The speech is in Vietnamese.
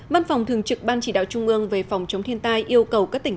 văn phòng thường trực ban chỉ đạo trung ương về phòng chống thiên tai yêu cầu các tỉnh